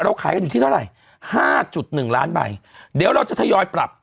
เราขายกันอยู่ที่เท่าไร๕๑ล้านใบเดี๋ยวเราจะทยอยปรับ